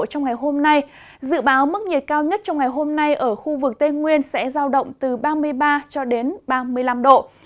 trong ngày hôm nay dự báo mức nhiệt cao nhất trong ngày hôm nay ở khu vực tây nguyên sẽ giao động từ ba mươi ba cho đến ba mươi năm độ